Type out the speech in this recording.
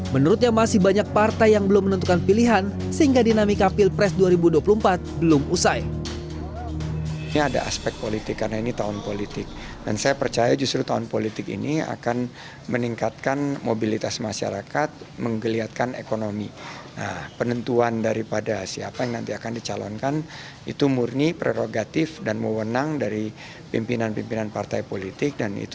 menurutnya masih banyak partai yang belum menentukan pilihan sehingga dinamika pilpres dua ribu dua puluh empat belum usai